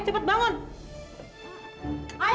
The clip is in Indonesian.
tapi padahal viva lagi